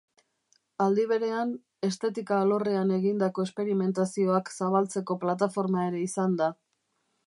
Aldi berean, estetika alorrean egindako esperimentazioak zabaltzeko plataforma ere izan da.